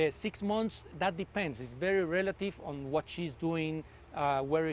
enam bulan itu bergantung sangat bergantung pada apa yang dia lakukan kemana dia pergi